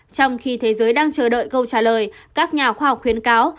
trong khi thế giới đang chờ đợi câu trả lời các nhà khoa học khuyến cáo